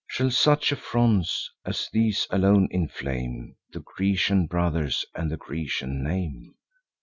Shall such affronts as these alone inflame The Grecian brothers, and the Grecian name?